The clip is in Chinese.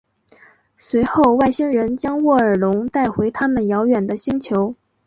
随后外星人将沃尔隆带回他们遥远的星球。